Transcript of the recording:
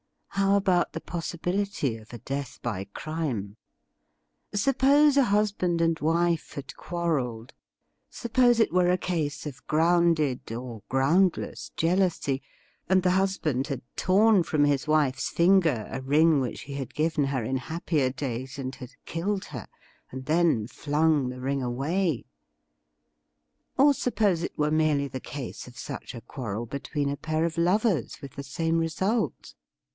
How about the possibility of a death by crime ? Suppose a husband and wife had quarrelled — suppose it were a case of grounded or groundless jealousy — and the husband had torn from his wife's finger a ring which he had given her jn happier days, and had killed her, and then flung the THE SLAVE OF THE RING 11 ring away ? Or suppose it were merely the case of such a quarrel between a pair of lovers, with the same result